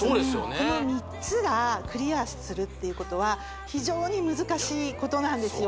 この３つがクリアするっていうことは非常に難しいことなんですよ